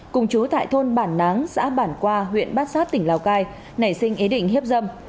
cùng chú tại thôn bản náng xã bản qua huyện bát sát tỉnh lào cai nảy sinh ý định hiếp dâm